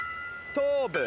頭部。